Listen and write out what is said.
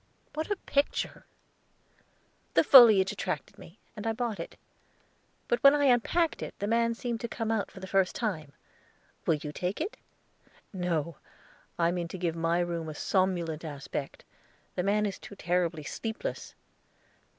"What a picture!" "The foliage attracted me, and I bought it; but when I unpacked it, the man seemed to come out for the first time. Will you take it?" "No; I mean to give my room a somnolent aspect. The man is too terribly sleepless."